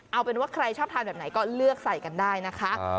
เอาเป็นว่าใครชอบทานแบบไหนก็เลือกใส่กันได้นะคะ